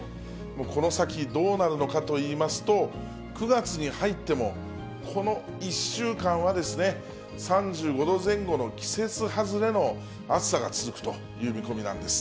この先どうなるのかといいますと、９月に入っても、この１週間はですね、３５度前後の季節外れの暑さが続くという見込みなんです。